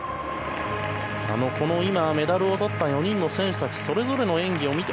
この今、メダルを取った４人の選手たちそれぞれの演技を見て。